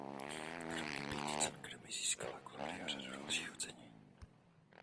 Kromě pěti cen Grammy získala Gloria řadu dalších ocenění.